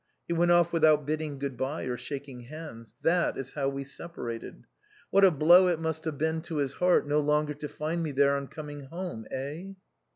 He went off without bidding good bye or shaking hands. That is how we separated. What a blow it must have been to his heart no longer to find me there on coming home, eh